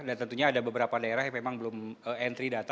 dan tentunya ada beberapa daerah yang memang belum entry data